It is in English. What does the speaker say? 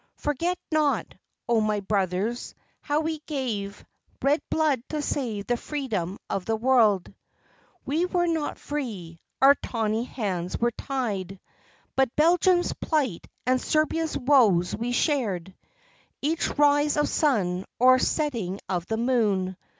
Forget not, O my brothers, how we gave Red blood to save the freedom of the world! We were not free, our tawny hands were tied; But Belgium's plight and Serbia's woes we shared Each rise of sun or setting of the moon.